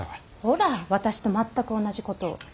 ほら私と全く同じことを。